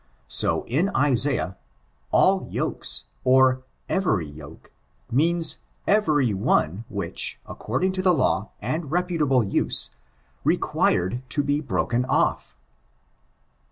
So in Isaiah* aU yokes, or every yoke, means every one, whieh, according to law, and reputable use, required to be broken o£ 3.